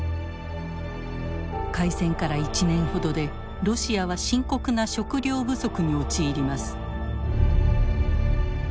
開戦から１年ほどでロシアは深刻な食糧不足に陥ります。